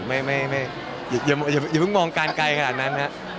อย่าเพิ่งมองกันไกลขนาดนั้น